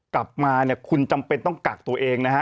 กลับมาเนี่ยคุณจำเป็นต้องกักตัวเองนะฮะ